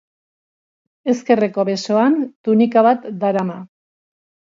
Ezkerreko besoan tunika bat darama.